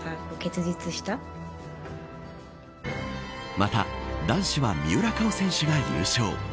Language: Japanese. また男子は三浦佳生選手が優勝。